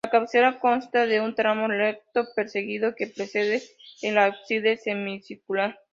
La cabecera consta de un tramo recto, el presbiterio, que precede al ábside semicircular.